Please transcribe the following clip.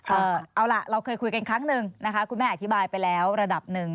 เอาล่ะเราเคยคุยกันครั้งหนึ่งนะคะคุณแม่อธิบายไปแล้วระดับหนึ่ง